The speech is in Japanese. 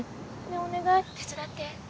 ねえお願い手伝って